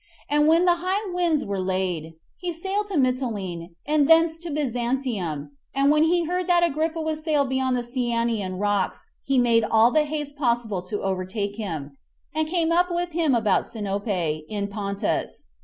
And when the high winds were laid, he sailed to Mytilene, and thence to Byzantium; and when he heard that Agrippa was sailed beyond the Cyanean rocks, he made all the haste possible to overtake him, and came up with him about Sinope, in Pontus.